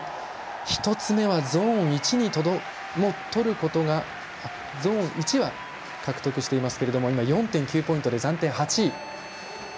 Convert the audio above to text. １つ目はゾーン１は獲得していますけれども今、４．９ポイントで暫定８位。